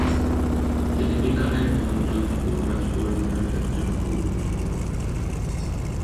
তিনি বিকানের এবং যোধপুর রাজপরিবারের একজন কূল দেবতা।